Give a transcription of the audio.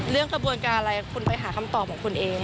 กระบวนการอะไรคุณไปหาคำตอบของคุณเอง